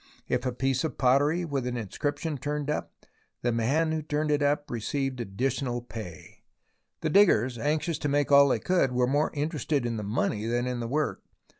If a piece of pottery with an inscription turned up, the man who turned it up received additional pay. The diggers, anxious to make all they could, were more interested in the money than in the work.